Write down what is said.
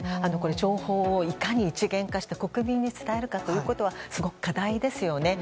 情報を、いかに一元化して国民に伝えるかというのはすごく課題ですよね。